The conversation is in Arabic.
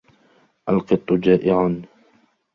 الْقِطُّ جَائِعٌ.